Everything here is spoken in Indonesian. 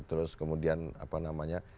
terus kemudian apa namanya